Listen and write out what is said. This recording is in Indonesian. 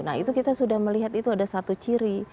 nah itu kita sudah melihat itu ada satu ciri